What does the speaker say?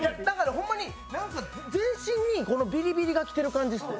ホンマに全身にビリビリが来てる感じですね。